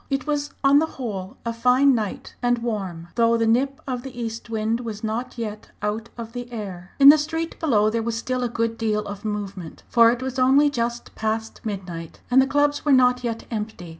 It was on the whole a fine night and warm, though the nip of the east wind was not yet out of the air. In the street below there was still a good deal of movement, for it was only just past midnight and the clubs were not yet empty.